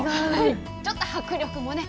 ちょっと迫力もね。